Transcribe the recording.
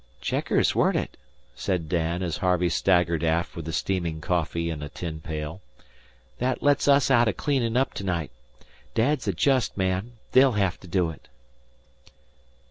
"Checkers, weren't it?" said Dan, as Harvey staggered aft with the steaming coffee in a tin pail. "That lets us out o' cleanin' up to night. Dad's a jest man. They'll have to do it."